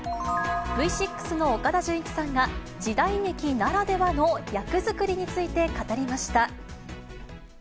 Ｖ６の岡田准一さんが、時代劇ならではの役作りについて語りました。